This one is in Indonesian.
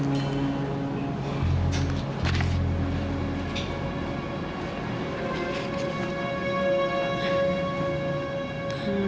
apa apa forests nggak ada todayin